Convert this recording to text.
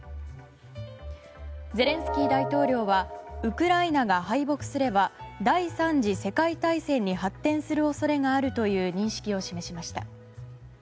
ゼレンスキー大統領はウクライナが敗北すれば第３次世界大戦に発展する恐れがあるという認識を示しました。